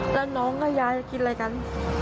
แล้วน้องกับยายกินอะไรกัน